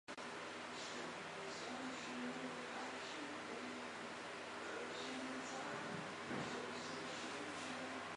分处首长职称为分处处长。